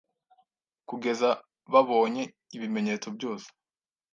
kugeza babonye ibimenyetso byose